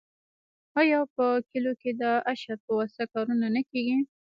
آیا په کلیو کې د اشر په واسطه کارونه نه کیږي؟